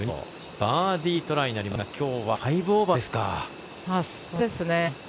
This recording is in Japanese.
バーディートライになりますがきょうは５オーバーですか。